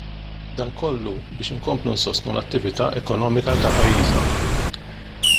Dan kollu biex inkomplu nsostnu l-attività ekonomika ta' pajjiżna.